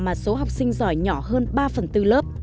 mà số học sinh giỏi nhỏ hơn ba phần tư lớp